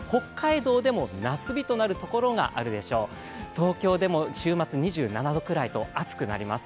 東京でも週末２７度くらいと暑くなります。